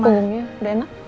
bumbunya udah enak